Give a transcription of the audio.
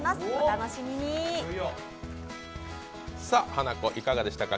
ハナコいかがでしたか？